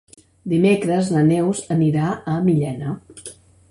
Dimecres na Neus anirà a Millena.